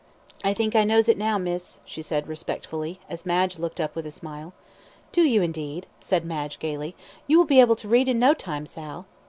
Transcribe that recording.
"I think I knows it now, miss," she said, respectfully, as Madge looked up with a smile. "Do you, indeed?" said Madge, gaily. "You will be able to read in no time, Sal."